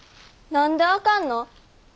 何であかんの？